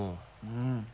うん。